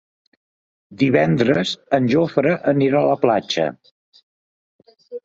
Divendres en Jofre anirà a la platja.